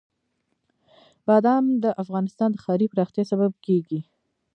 بادام د افغانستان د ښاري پراختیا سبب کېږي.